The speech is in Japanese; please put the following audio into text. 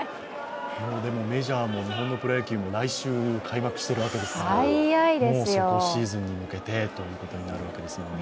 メジャーも日本もプロ野球も来週開幕しているわけですから、もうシーズンに向けてということになるわけですね。